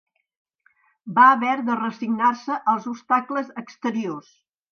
Va haver de resignar-se als obstacles exteriors